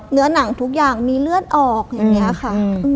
หนังทุกอย่างมีเลือดออกอย่างนี้ค่ะ